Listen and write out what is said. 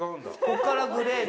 こっからグレー。